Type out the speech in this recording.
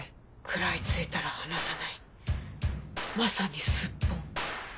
食らい付いたら離さないまさにスッポン。